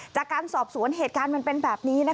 จากการสอบสวนเหตุการณ์มันเป็นแบบนี้